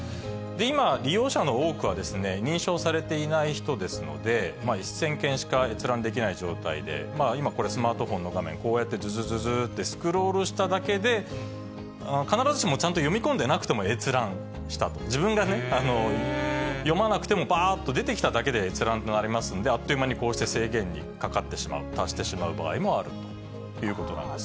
今、利用者の多くは、認証されていない人ですので、１０００件しか閲覧できない状態で、今これ、スマートフォンの画面、こうやってずずずっと、スクロールしただけで必ずしもちゃんと読み込んでなくても閲覧したと、自分が読まなくてもばーっと、出てきただけで閲覧となりますんで、あっという間にこうして制限にかかってしまう、達してしまう場合もあるということですね。